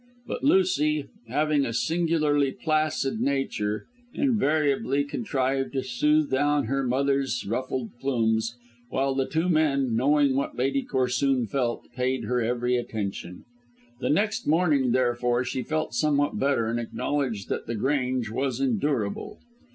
But Lucy, having a singularly placid nature, invariably contrived to soothe down her mother's ruffled plumes, while the two men, knowing what Lady Corsoon felt, paid her every attention. The next morning, therefore, she felt somewhat better and acknowledged that The Grange was endurable.